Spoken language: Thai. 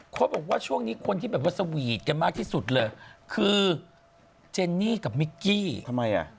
เขาบอกว่าช่วงนี้คนที่แบบว่าสวีทกันมากที่สุดเลยคือเจนนี่กับมิกกี้ทำไมอ่ะ